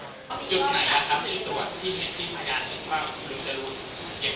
ว่ากูจะหลุด